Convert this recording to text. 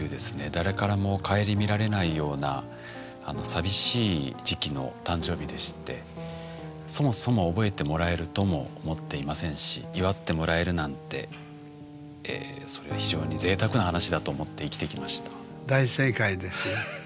誰からも顧みられないような寂しい時期の誕生日でしてそもそも覚えてもらえるとも思っていませんし祝ってもらえるなんてそれは非常にぜいたくな話だと思って生きてきました。